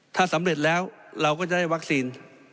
ถ้าสำเร็จแล้วเราก็จะได้วัคซีน